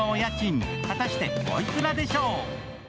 果たしておいくらでしょう？